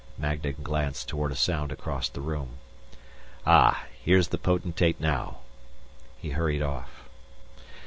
Magnan glanced toward a sound across the room. "Ah, here's the Potentate now!" He hurried off.